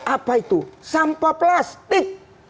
apa itu sampah plastik